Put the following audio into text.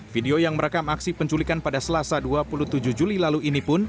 video yang merekam aksi penculikan pada selasa dua puluh tujuh juli lalu ini pun